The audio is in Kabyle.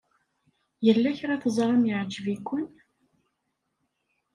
Yella kra teẓram yeɛjeb-iken?